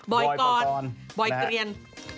บ่อยกรณ์บ่อยเกรียญ